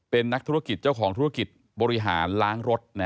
เป็นนักธุรกิจเจ้าของธุรกิจบริหารล้างรถ